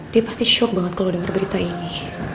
dia pasti shock banget kalau denger berita ini